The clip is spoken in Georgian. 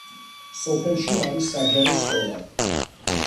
სოფელში არის საჯარო სკოლა.